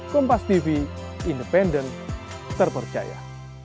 kompas tv independen terpercaya